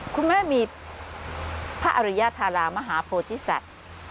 คุณแม่มีพระอริยาธาราชนิดหนึ่งตองมาหาโพธิสัจ